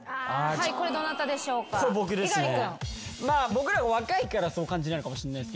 僕らが若いからそう感じないのかもしんない。